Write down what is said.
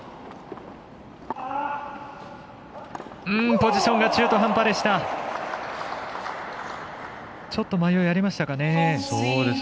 ポジションが中途半端でした。